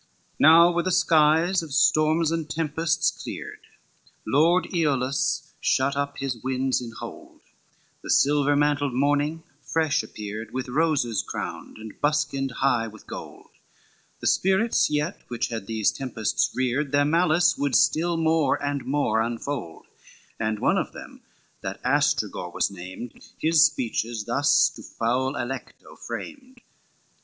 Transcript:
I Now were the skies of storms and tempests cleared, Lord Aeolus shut up his winds in hold, The silver mantled morning fresh appeared, With roses crowned, and buskined high with gold; The spirits yet which had these tempests reared, Their malice would still more and more unfold; And one of them that Astragor was named, His speeches thus to foul Alecto framed.